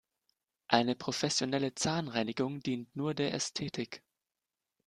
Eine professionelle Zahnreinigung dient nur der Ästhetik.